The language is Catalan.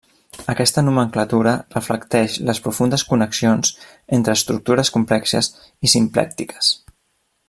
Aquesta nomenclatura reflecteix les profundes connexions entre estructures complexes i simplèctiques.